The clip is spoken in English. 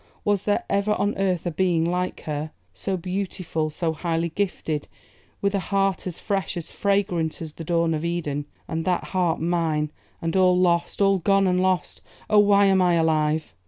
Was there ever on earth a being like her? So beautiful, so highly gifted, with a heart as fresh, as fragrant as the dawn of Eden; and that heart mine; and all lost, all gone and lost! Oh! why am I alive?